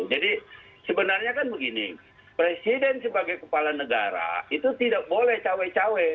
jadi sebenarnya kan begini presiden sebagai kepala negara itu tidak boleh cowai cowai